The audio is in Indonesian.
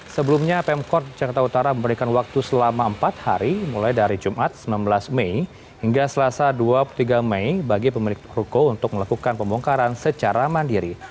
sebelumnya pemkot jakarta utara memberikan waktu selama empat hari mulai dari jumat sembilan belas mei hingga selasa dua puluh tiga mei bagi pemilik ruko untuk melakukan pembongkaran secara mandiri